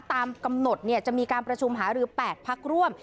ตามกำหนดจะมีการประชุมหารือ๘พักร่วม